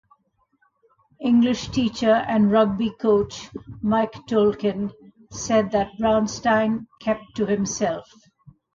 English teacher and Rugby coach, Mike Tolkin, said that Braunstein kept to himself.